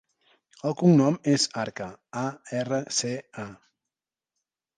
El cognom és Arca: a, erra, ce, a.